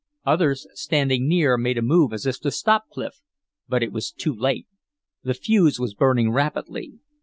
Others standing near made a move as if to stop Clif, but it was too late. The fuse was burning rapidly.